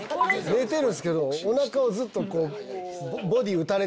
寝てるんすけどおなかをずっと。